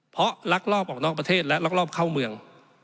เพราะลักลอบออกนอกประเทศและลักลอบเข้าเมือง